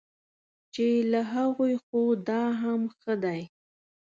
چې له هغوی خو دا هم ښه دی.